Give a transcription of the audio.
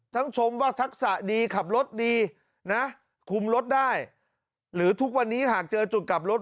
ชมว่าทักษะดีขับรถดีนะคุมรถได้หรือทุกวันนี้หากเจอจุดกลับรถ